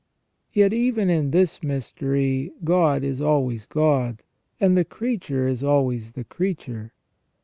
Yet even in this mystery God is always God, and the creature is always the creature.